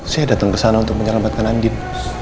saya datang kesana untuk menyelamatkan andin